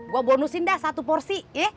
gua bonusin dah satu porsi